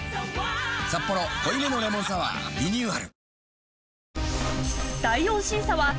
「サッポロ濃いめのレモンサワー」リニューアル